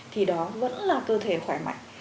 thì đó vẫn là cơ thể khỏe mạnh